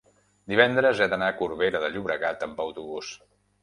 divendres he d'anar a Corbera de Llobregat amb autobús.